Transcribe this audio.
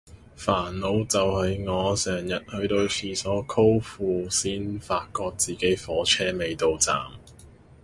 煩惱就係我成日去到廁所摳褲先發覺自己火車未到站